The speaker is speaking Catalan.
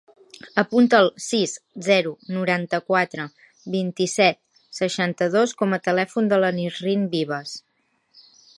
Apunta el sis, zero, noranta-quatre, vint-i-set, seixanta-dos com a telèfon de la Nisrin Vivas.